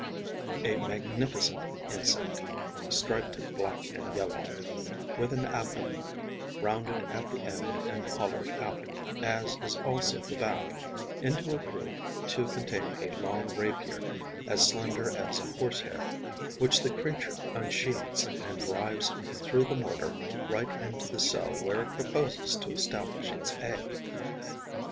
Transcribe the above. a magnificent insect, stripped black and yellow, with an abdomen rounded at the end and hollowed out, as is also the back, into a groove to contain a long rapier, as slender as a horsehair, which the creature unsheathes and drives through the mortar right into the cell where it proposes to establish its egg.